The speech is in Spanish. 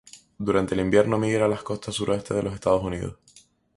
Durante el invierno migra a las costas del sureste de los Estados Unidos.